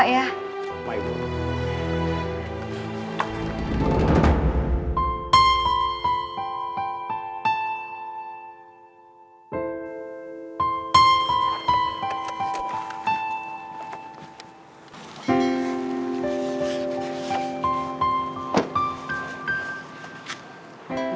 terima kasih bu